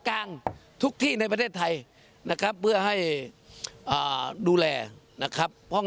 การส่อมนั้นจะต้องสร้อมจากมือของผู้วาดเอง